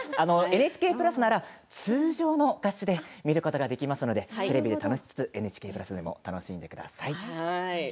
ＮＨＫプラスなら通常の画質で見ることができますのでＮＨＫプラスでも楽しんでください。